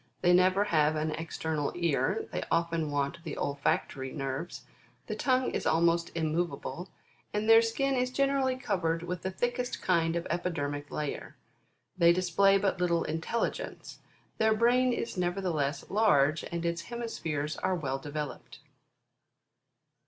They never have an external ear ; they often want the olfactory nerves; the tongue is almost irnmoveable, and their skin is generally covered with the thickest kind of epidermic layer. They display but little intelligence. Their brain is nevertheless large, and its hemispheres are well developed.